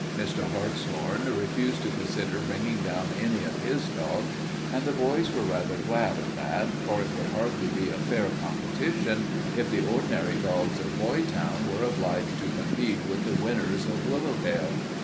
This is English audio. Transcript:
Mr. Hartshorn refused to consider bringing down any of his dogs, and the boys were rather glad of that, for it would hardly be a fair competition if the ordinary dogs of Boytown were obliged to compete with the winners of Willowdale.